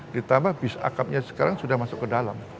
ditambah bis akapnya sekarang sudah masuk ke dalam